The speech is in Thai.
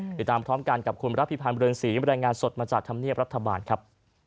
ติดตามพร้อมกันกับคุณรับพิพันธ์เรือนศรีบรรยายงานสดมาจากธรรมเนียบรัฐบาลครับ